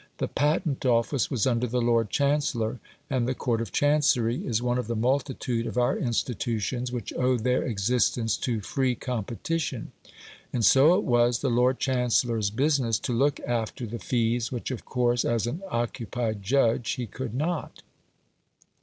The Patent Office was under the Lord Chancellor, and the Court of Chancery is one of the multitude of our institutions which owe their existence to free competition, and so it was the Lord Chancellor's business to look after the fees, which of course, as an occupied judge, he could not.